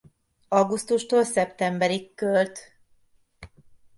Augusztustól szeptemberig költ.